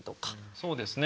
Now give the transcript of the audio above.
そうですね。